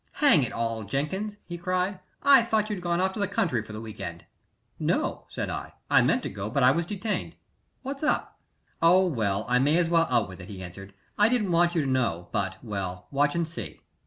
"Hang it call, Jenkins!" he cried. "I thought you'd gone off to the country for the week end." "No," said I. "I meant to go, but I was detained. What's up?" "Oh, well I may as well out with it," he answered. "I didn't want you to know, but well, watch and see."